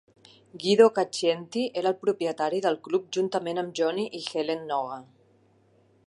Guido Caccienti era el propietari del club juntament amb Johnny i Helen Noga.